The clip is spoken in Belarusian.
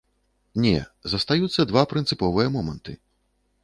Не, застаюцца два прынцыповыя моманты.